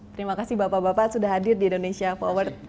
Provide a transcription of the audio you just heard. terima kasih bapak bapak sudah hadir di indonesia forward